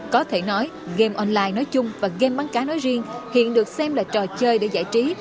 có thể nói game online nói chung và game bắn cá nói riêng hiện được xem là trò chơi để giải trí